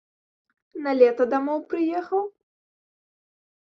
На лета дамоў прыехаў?